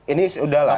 ini sudah lah